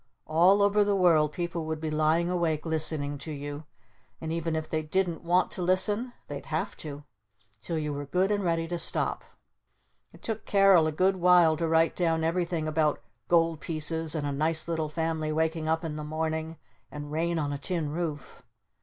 All over the world people would be lying awake listening to you! And even if they didn't want to listen they'd have to! Till you were good and ready to stop!" It took Carol a good while to write down everything about "Gold Pieces" and a "Nice Little Family waking up in the Morning" and "Rain on a Tin Roof."